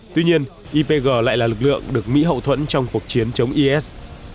tuy nhiên ipg lại là lực lượng được mỹ hậu thuẫn trong cuộc chiến chống is